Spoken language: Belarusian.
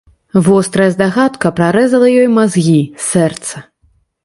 Вострая здагадка прарэзала ёй мазгі, сэрца.